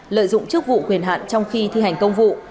lợi dụng chức vụ quyền hạn trong khi thi hành công vụ